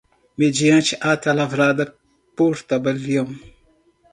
mediante ata lavrada por tabelião